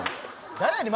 誰やねん。